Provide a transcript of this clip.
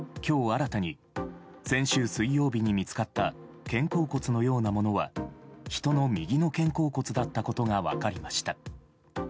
新たに先週水曜日に見つかった肩甲骨のようなものは人の右の肩甲骨だったことが分かりました。